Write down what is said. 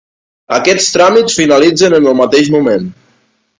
Aquests tràmits finalitzen en el mateix moment.